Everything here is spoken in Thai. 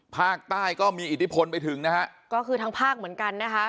ภาคใต้ก็มีอิทธิพลไปถึงนะฮะก็คือทางภาคเหมือนกันนะคะ